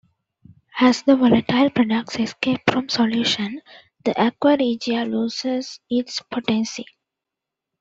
As the volatile products escape from solution, the aqua regia loses its potency.